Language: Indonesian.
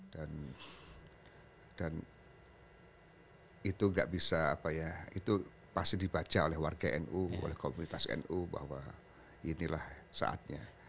dan itu gak bisa apa ya itu pasti dibaca oleh warga nu oleh komunitas nu bahwa inilah saatnya